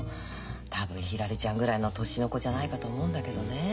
多分ひらりちゃんぐらいの年の子じゃないかと思うんだけどね。